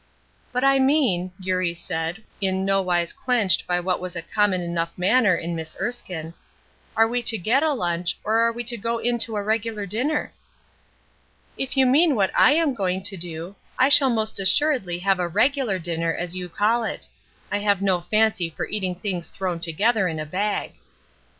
"But I mean," Eurie said, in no wise quenched by what was a common enough manner in Miss Erskine, "are we to get a lunch, or are we to go in to a regular dinner?" "If you mean what I am going to do, I shall most assuredly have a 'regular' dinner, as you call it. I have no fancy for eating things thrown together in a bag."